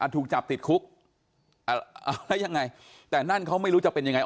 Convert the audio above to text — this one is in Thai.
ถูกจับติดคุกแล้วยังไงแต่นั่นเขาไม่รู้จะเป็นยังไง